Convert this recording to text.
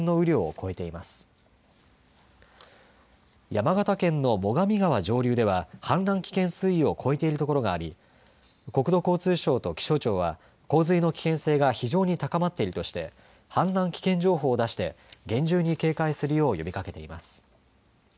山形県の最上川上流では氾濫危険水位を超えている所があり国土交通省と気象庁は洪水の危険性が非常に高まっているとして氾濫危険情報を出して厳重に警戒するよう呼びかけています。